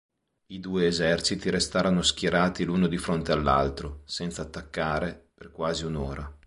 I due eserciti restarono schierati l'uno di fronte all'altro, senza attaccare, per quasi un'ora.